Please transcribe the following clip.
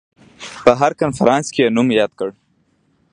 په هر کنفرانس کې یې نوم یاد کړ.